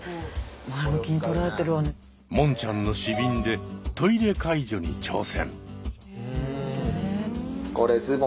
もんちゃんの尿瓶でトイレ介助に挑戦。